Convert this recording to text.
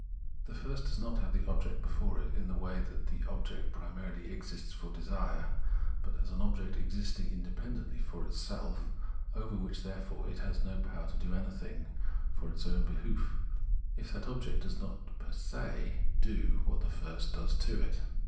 The first does not have the object before it in the way that object primarily exists for desire, but as an object existing inde pendently for itself, over which therefore it has no power to do anything for its own behoof, if that object does not per se do what the first does to it.